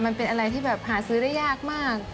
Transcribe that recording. มันเป็นอะไรที่แบบหาซื้อได้ยากมาก